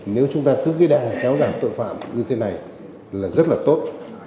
nếu chúng ta cứ ghi đăng kéo giảm tội phạm như thế này là rất là tốt